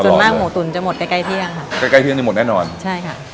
ส่วนมากหมูตุ๋นจะหมดใกล้ใกล้เที่ยงค่ะใกล้ใกล้เที่ยงนี่หมดแน่นอนใช่ค่ะ